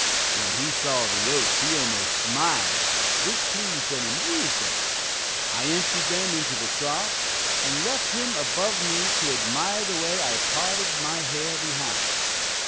When he saw the oats he almost smiled; this pleased and amused him. I emptied them into the trough, and left him above me to admire the way I parted my hair behind.